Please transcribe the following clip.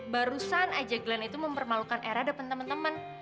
barusan aja glenn itu mempermalukan era dapet temen temen